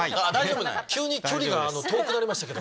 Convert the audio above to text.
急に距離が遠くなりました。